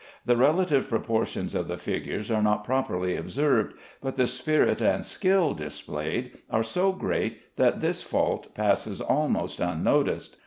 The relative proportions of the figures are not properly observed, but the spirit and skill displayed are so great that this fault passes almost unnoticed.